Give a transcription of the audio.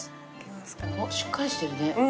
おっしっかりしてるね。